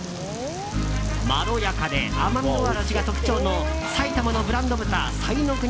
まろやかで甘みのある味が特徴の埼玉のブランド豚彩の国